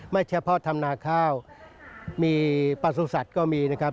เฉพาะทำนาข้าวมีประสุทธิ์ก็มีนะครับ